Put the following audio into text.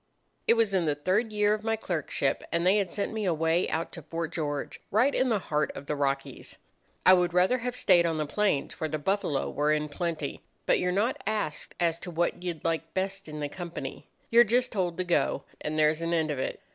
"It was in the third year of my clerkship, and they had sent me away out to Fort George, right in the heart of the Rockies. I would rather have stayed on the plains, where the buffalo were in plenty; but you're not asked as to what you'd like best in the company. You're just told to go, and there's an end of it.